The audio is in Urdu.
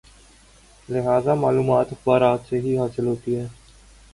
لہذا معلومات اخبارات سے ہی حاصل ہوتی ہیں۔